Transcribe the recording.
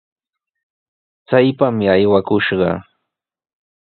¡Chaypami aywakushqa!